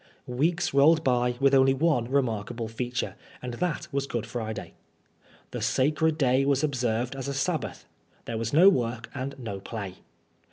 Weeks rolled by with only one remarkable feature, and that was Good Friday. The " sacred day " was observed as a Sabbath. There was no work and no play.